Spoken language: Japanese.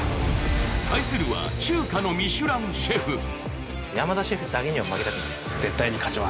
対するは中華のミシュランシェフ山田シェフだけには負けたくないです